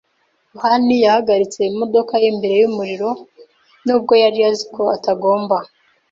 yohani yahagaritse imodoka ye imbere y’umuriro nubwo yari azi ko atagomba.